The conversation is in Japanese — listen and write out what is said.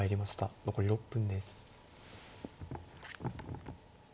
残り６分です。